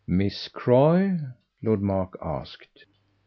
"Miss Croy?" Lord Mark asked.